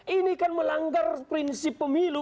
ini kan melanggar prinsip pemilu